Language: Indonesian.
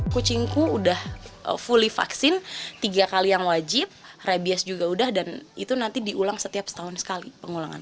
kucingku udah fully vaksin tiga kali yang wajib rabies juga udah dan itu nanti diulang setiap setahun sekali pengulangan